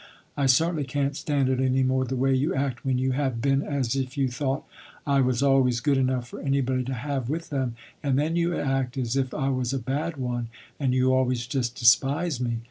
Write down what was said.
I certainly can't stand it any more the way you act when you have been as if you thought I was always good enough for anybody to have with them, and then you act as if I was a bad one and you always just despise me.